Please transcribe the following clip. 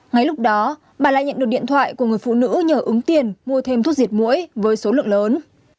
ngay lúc đó bà lại nhận được điện thoại của người phụ nữ nhờ ứng tiền mua thêm thuốc diệt mũi với số lượng lớn